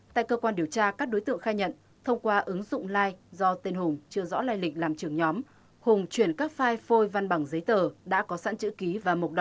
tại cơ quan điều tra các đối tượng khai nhận thông qua ứng dụng lai do tên hùng chưa rõ lai lịch làm trưởng nhóm hùng chuyển các file phôi văn bằng giấy tờ đã có sẵn chữ ký và mộc đỏ